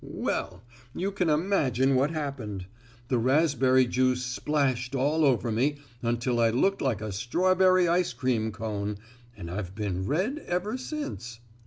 "Well, you can imagine what happened. The raspberry juice splashed all over me until I looked like a strawberry ice cream cone, and I've been red ever since."